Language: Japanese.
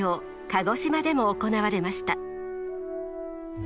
鹿児島でも行われました。